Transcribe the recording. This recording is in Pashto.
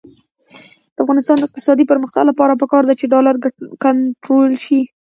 د افغانستان د اقتصادي پرمختګ لپاره پکار ده چې ډالر کنټرول شي.